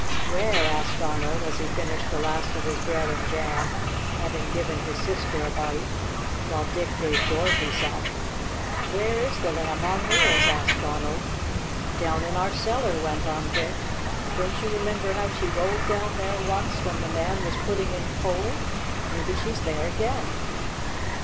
"Where?" asked Arnold, as he finished the last of his bread and jam, having given his sister a bite, while Dick gave Dorothy some. "Where is the Lamb on Wheels?" asked Arnold. "Down in our cellar!" went on Dick. "Don't you remember how she rolled down there once, when the man was putting in coal? Maybe she's there again."